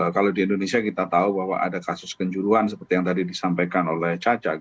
kalau di indonesia kita tahu bahwa ada kasus kenjuruan seperti yang tadi disampaikan oleh caca